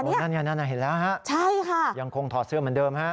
นั่นเห็นแล้วครับยังคงถอดเสื้อเหมือนเดิมครับใช่ค่ะ